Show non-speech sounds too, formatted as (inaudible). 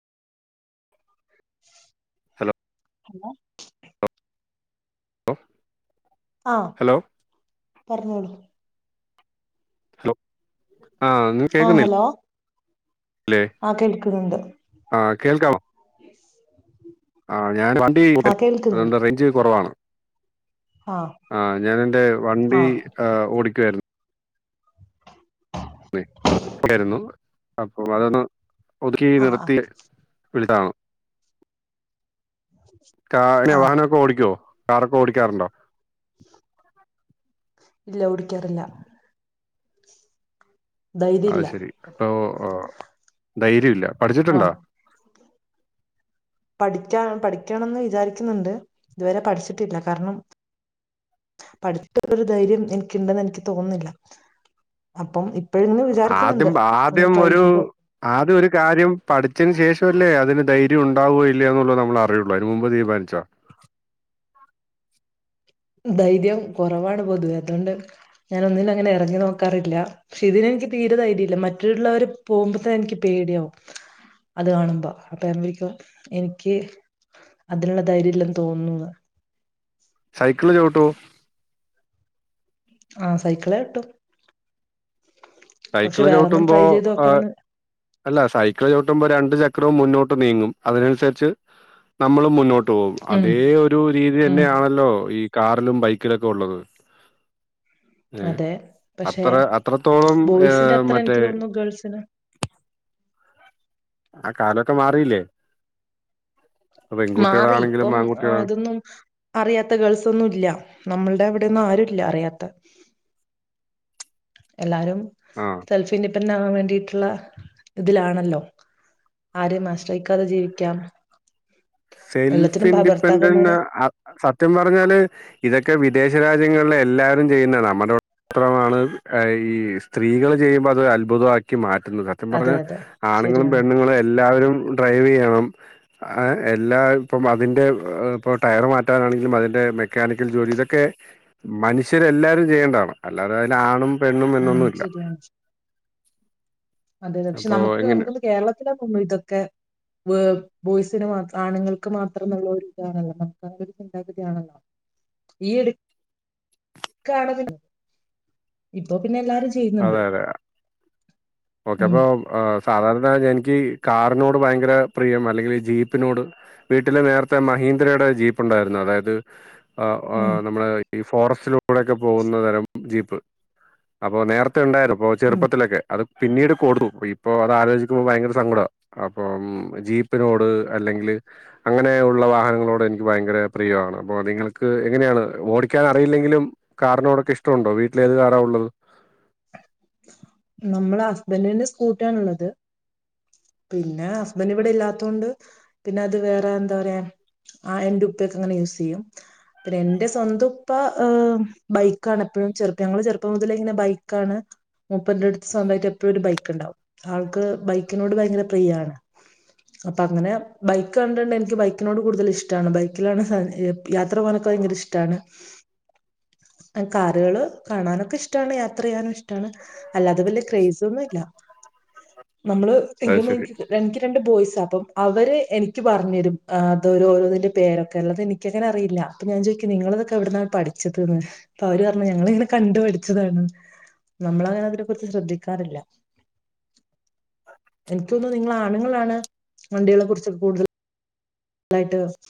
Hello hello hello ആഹ് പറഞ്ഞോളൂ. Hello, ആഹ്, നി ആഹ് കേൾക്കുന്നില്ലേ? ഹലോ ആഹ്, കേൾക്കുന്നുണ്ട്. ആഹ്, കേൾക്കാവോ? യെസ് ആഹ്, ഞാൻ വണ്ടി (unintelligible) അത്കൊണ്ട് റേഞ്ച് കുറവാണ്. ആഹ്, ഞാന് എന്റെ വണ്ടി ആഹ് ഓടിക്കുവായിരുന്നു. രുന്നു അപ്പൊ അതൊന്ന് ഒതുക്കി ആഹ് ആഹ് നിർത്തി വിളിചതാണ്. കാ ആഹ് വാഹനമൊക്കെ ഓടിക്കുവോ? കാറൊക്കെ ഓടിക്കാറുണ്ടോ? ഇല്ല ഓടി ക്കാറില്ല. ധൈര്യം അത് ഇല്ല ശരി, അപ്പൊ ധൈര്യല്ല. ആഹ് പഠിച്ചിട്ടുണ്ടോ? പഠിക്കാ പഠിക്കണംന്ന് വിചാരിക്കുന്നുണ്ട്, ഇതുവരെ പഠിച്ചിട്ടില്ല. കാരണം പഠിത്തതിനൊരു ധൈര്യം എനിക്കുണ്ടെന്ന് എനിക്ക് തോന്നുന്നില്ല. അപ്പം ഇപ്പോഴ്ന്ന് വിചാരിക്കുന്നുണ്ട് ഒന്ന് ട്രൈ ചെയ്തോ. ആദ്യ ഒരു കാര്യം പഠിച്ചതിന് ശേഷമല്ലേ അതിന് ധൈര്യം ഉണ്ടാവുകയോ ഇല്ലേ എന്നുള്ളൂ നമ്മള് റിയുള്ളൂ അതിന് മുൻപ് തീരുമാനിച്ചോ? ധൈര്യം കുറവാണ് പൊതുവെ, അതുകൊണ്ട് ഞൻ ഒന്നിനും അങ്ങനെ ഇറങ്ങി നോക്കാറില്ല. പക്ഷെ ഇതിനെ നിക്ക് തീര ധൈര്യല്ല. മറ്റൊള്ളവര് പോകുമ്പോത്തെന്നെ എനിക്ക് പേടിയാവും. അത് കാണുമ്പോ അപ്പൊ (unintelligible) എനിക്ക്. അതിനുള്ള ധൈര്യം ഇല്ലന്ന് തോന്നുന്നു ന്ന്. സൈക്കിള് ചവിട്ടോ? ആഹ് സൈക്കിള് ചവിട്ടും. സൈക്കിള് ചവിട്ടുമ്പോ ആഹ്. അല്ല സൈക്കിൾ ചവിട്ടുമ്പോ രണ്ടു ചക്രവും മുന്നോട്ട് നീങ്ങും അതിനനുസരിച്ച്. നമ്മൾ മുന്നോട്ട് പോകും ഉം അതേ ഒരു രീതി ഉം തന്നെയാണല്ലോ ഈ. കാറിലും ബൈക്കിലൊക്കെ ഉള്ളത്. ഏ അതെ പക്ഷെ അത്ര അത്രത്തോളം. ബോയ്സിന്റെ ഏഹ് അത്ര മറ്റേ എനിക്ക് തോന്നുന്നു ഗേൾസിന്. ആ കാലൊക്കെ മാറിയില്ലേ? മാറി ഇപ്പം പെൺകുട്ടികളാണെങ്കിലും ആ ആൺകുട്ടികളാ ഇതൊന്നും. അറിയാത്ത ഗേൾസ് ഒന്നും ഇല്ല. നമ്മളുടെ ഇവിടെന്നും ആരുല്ല അറിയാത്ത. എല്ലാരും ആഹ് സെൽഫി ഇൻഡിപെൻറ് ആകാൻ വേണ്ടിട്ടുള്ള ഇതിലാണല്ലോ. ആരേം ആശ്രയിക്കാതെ ജീവിക്കാം. സെൽഫ് എല്ലാത്തിനും ഭ- ഇൻഡിപെൻഡന്റ് ഭർത്താക്കന്മാരെ അത് സത്യം പറഞ്ഞാല്. ഇതൊക്കെ വിദേശ രാജ്യങ്ങള് എല്ലാരും ചെയ്യുന്ന നമ്മുടെ. മാത്രമാണ് അഈ സ്ത്രീകൾ ചെയ്യുമ്പോ അത് അത്ഭുതമാക്കി മാറ്റുന്നത്. എന്താ അതെ പറഞ്ഞാ അതെ ആണുങ്ങളും ശരിയാണ് പെണ്ണുങ്ങളും എല്ലാവരും ഡ്രൈവ് ചെയ്യണം എല്ലാ ഇപ്പം അതിന്റെ ഇപ്പൊ ടയർ മാറ്റാനാണെങ്കിലും അതിന്റെ മെക്കാനിക്കൽ ജോലി ഇതൊക്കെ. മനുഷ്യരെ എല്ലാവരും ചെയ്യേണ്ടതാണ്. അല്ലാതെ അതിന് ആണും പെണ്ണും ആഹ് എന്നൊന്നുമില്ല ശെരിയാണ്. അതെ അതെ പക്ഷെ അപ്പൊ നമുക്ക് എങ്ങനെ നമുക്കൊന്ന് കേരളത്തിലാ തോന്ന്ണു ഇതൊക്കെ. വ് ബോയ്സിന് മാ ആണുങ്ങൾക്ക് മാത്രംള്ള ഒരു ഇതാണല്ലോ, നമുക്ക് ഒരു ചിന്താഗതിയാണല്ലോ. ഈ യിടെ കാണുന്ന്ണ്ട് ഇപ്പൊ പിന്നെ എല്ലാരും. ചെയ്യുന്നുണ്ട്. അതെ അതെ ഓക്കെ ഉം അപ്പൊ, സാധാരണ എനിക്ക് കാറിനോട് ഭയങ്കര പ്രിയം അല്ലെങ്കിൽ ജീപ്പിനോട്. വീട്ടില് നേരത്തെ മഹീന്ദ്രയുടെ ജീപ്പ് ഉണ്ടായിരുന്നു. അതായത് ആഹ് ആഹാ ഉം നമ്മളെ ഈ ഫോറസ്റ്റിലൂടെക്കെ പോകുന്ന തരം ജീപ്പ് അപ്പൊ നേരത്തെ ഉണ്ടായിരുന്നു. അപ്പൊ, ഉം ചെറുപ്പത്തിലൊക്കെ അത് പിന്നീട് കൊടുത്തു. ഇപ്പൊ അത് ആലോചിക്കുമ്പോ ഭയങ്കര സങ്കട. അപ്പം ജീപ്പിനോട് അല്ലെങ്കില്. അങ്ങനെ ഉള്ള വാഹനങ്ങളോട് എനിക്ക് ഭയങ്കര പ്രിയണ്. അപ്പൊ നിങ്ങൾക്ക് എങ്ങനെയാണ് ഓടിക്കാൻ അറിയില്ലെങ്കിലും. കാറിനോടൊക്കെ ഇഷ്ടുണ്ടോ വീട്ടില് ഏത് കാറാ ഉള്ളത്? നമ്മള് ഹസ്ബൻറിന്റെ സ്കൂട്ടിയയാണ്ള്ളത്. പിന്നെ ഹസ്ബൻഡ് ഇവിടെ ഇല്ലാത്തൊണ്ട് പിന്നെ അത് വേറെ എന്താ പറയാ. ആഹ് എന്റെ ഉപ്പക്കെങ്ങനെ യൂസ് ചെയ്യും. പിന്നെ എന്റെ സ്വന്തു ഉപ്പ ഹ് ബൈക്കാണ് എപ്പഴും ചെറുപ്പം ഞങ്ങള് ചെറുപ്പം മുതലെ ഇങ്ങനെ ബൈക്കാണ്. ഉപ്പന്റെടുത്ത് സ്വന്തമായിട്ട് എപ്പഴും ഒരു ബൈക്ക് ഉണ്ടാവും. ആൾക്ക് ബൈക്കിനോട് ഭയങ്കര പ്രിയാണ്. അപ്പൊ അങ്ങനെ ബൈക്ക് കണ്ടിണ്ട് എനിക്ക് ബൈക്കിനോട് കൂടുതൽ ഇഷ്ടമാണ് ബൈക്കിലാണ്. സദ് യാത്ര പോകാനൊക്കെ ഭയങ്കര ഇഷ്ടമാണ്. (unintelligible) കാറുകള് കാണാനൊക്കെ ഇഷ്ടമാണ്. യാത്ര ചെയ്യാനും ഇഷ്ടമാണ്. അല്ലാതെ വലിയ ക്രേയ്സൊന്നും ഇല്ല. നമ്മള് അത് ശരി (unintelligible) എനിക്ക് രണ്ട് ബോയ്സ അപ്പം അവര് എനിക്ക് രണ്ട് ബോയ്സാ അപ്പം അവര് എനിക് പറഞ്ഞ് തരും അത് ഓരോ ഓരോന്നിന്റെ പേരൊക്കെ ഉള്ളത് എനിക്ക്. എനിക്കങ്ങനെ അറിയില്ല. അപ്പ ഞൻ ചോദയിക്കും നിങ്ങള്തൊക്കെ എവിടുന്നാണ് പഠിച്ചതന്ന്. അപ്പൊ അവര് പറഞ്ഞു ഞങ്ങളിങ്ങനെ കണ്ടു പഠിച്ചതാണ് നമ്മള് അങ്ങനെ അതിനെ കുറിച്ച് ശ്രദ്ധിക്കാറില്ല. എനിക്ക് തോന്നുന്നു നിങ്ങള് ആണുങ്ങളാണ് വണ്ടികളെ കുറിച്ച് കൂടുതൽ. തലായിട്ട്